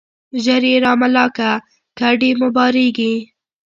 ژر يې را ملا که ، کډي مو بارېږي.